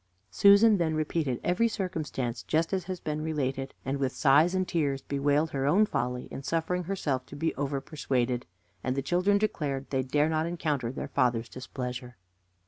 Susan then repeated every circumstance just as has been related, and with sighs and tears bewailed her own folly in suffering herself to be over persuaded. And the children declared they dare not encounter their father's displeasure.